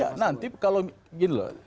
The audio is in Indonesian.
iya nanti kalau begini loh